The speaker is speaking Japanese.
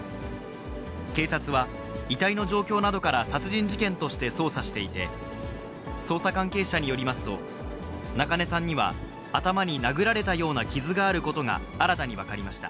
警察は遺体の状況などから殺人事件として捜査していて、捜査関係者によりますと、中根さんには頭に殴られたような傷があることが新たに分かりました。